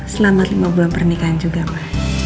selamat lima bulan pernikahan juga ma